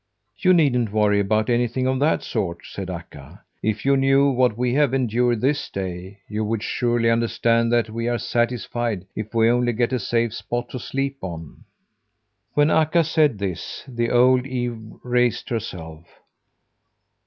"You needn't worry about anything of that sort," said Akka. "If you knew what we have endured this day, you would surely understand that we are satisfied if we only get a safe spot to sleep on." When Akka said this, the old ewe raised herself.